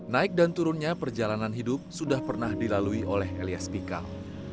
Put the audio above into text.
naik dan turunnya perjalanan hidup sudah pernah dilalui oleh elias pikal